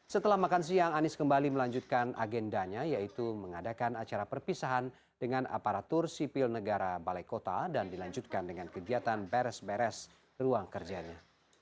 setelah makan siang anies kembali melanjutkan agendanya yaitu mengadakan acara perpisahan dengan aparatur sipil negara balai kota dan dilanjutkan dengan kegiatan beres beres ruang kerjanya